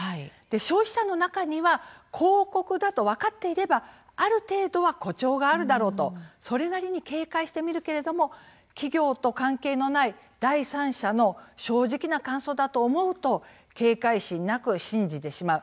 消費者の中には広告だとわかっていればある程度は誇張があるだろうとそれなりに警戒してみるけれども企業と関係のない第三者の正直な感想だと思うと警戒心なく信じてしまう。